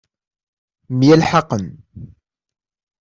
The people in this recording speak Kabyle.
Myelḥaqen.